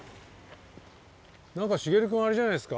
何か茂君あれじゃないですか。